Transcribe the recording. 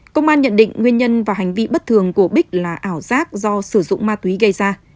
công an nhận định nguyên nhân và hành vi bất thường của bích là ảo giác do sử dụng ma túy gây ra